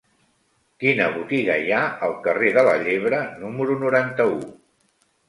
Quina botiga hi ha al carrer de la Llebre número noranta-u?